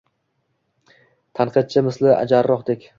Tanqidchi misli jarrohdek